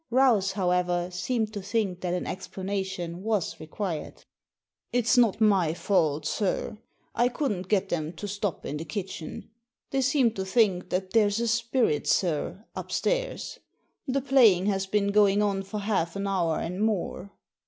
Rouse, however, seemed to think that an explanation was required " It's not my fault, sir ; I couldn't get them to stop in the kitchen. They seem to think that there's a spirit, sir, upstairs. The playing has been going on for half an hour and more."